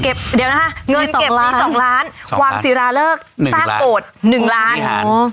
เก็บเดี๋ยวนะฮะเงินเก็บ๒ล้านวางศีราเลิกสร้างโกรธ๑ล้าน